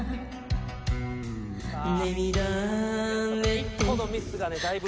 １個のミスがねだいぶ